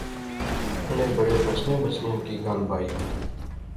انیں بڑے بچنیاں بچنیاں کی گل بائی